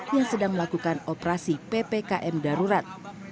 yang sedang melakukan operasi ppkm darurat